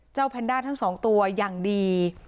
แพนด้าทั้งสองตัวอย่างดี